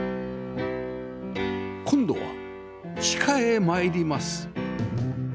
今度は地下へ参ります